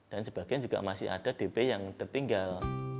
dan sebagian juga masih ada dp yang tertinggal